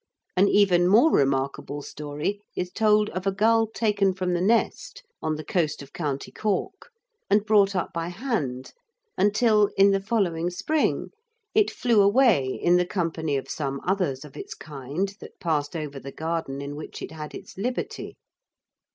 An even more remarkable story is told of a gull taken from the nest, on the coast of county Cork, and brought up by hand until, in the following spring, it flew away in the company of some others of its kind that passed over the garden in which it had its liberty.